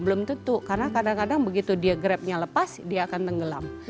belum tentu karena kadang kadang begitu dia grabnya lepas dia akan tenggelam